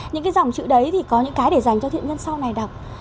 những cái dòng chữ đấy thì có những cái để dành cho thiện nhân sau này đọc